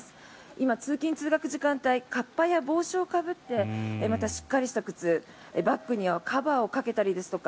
今、通勤・通学時間帯かっぱや帽子をかぶってまた、しっかりした靴バッグにはカバーをかけたりですとか